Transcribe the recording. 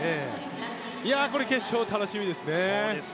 いやあ、決勝楽しみですね。